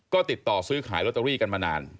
ก็ติดต่อซื้อขายลอตเตอรี่กันมานาน